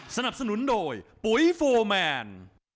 สนับสนุนโดยปุ๋ยโฟร์แมน